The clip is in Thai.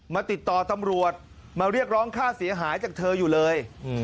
มาติดต่อตำรวจมาเรียกร้องค่าเสียหายจากเธออยู่เลย